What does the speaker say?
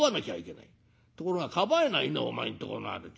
ところがかばえないんだお前んとこのあるじ。